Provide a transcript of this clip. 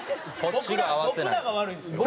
僕ら僕らが悪いんですよ。